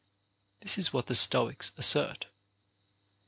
This is what the Stoics assert.